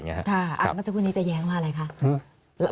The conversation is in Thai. อาบมาสักวันนี้จะแย้งว่าอะไรคะ